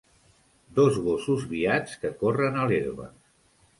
Dos gossos viats que corren a l'herba.